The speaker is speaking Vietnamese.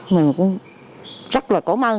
mình cũng rất là cổng ơn